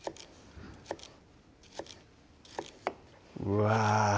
うわ